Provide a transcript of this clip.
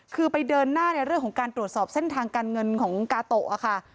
คือไปเดินหน้าในเรื่องของการตรวจสอบเส้นทางการเงินของกาโตะค่ะ